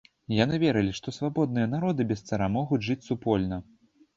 Яны верылі, што свабодныя народы без цара могуць жыць супольна.